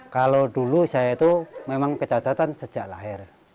kalau dulu saya itu memang kecacatan sejak lahir